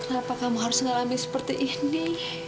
kenapa kamu harus ngalamin seperti ini